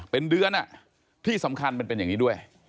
เป็นเดือนที่สำคัญมันเป็นอย่างนี้ด้วย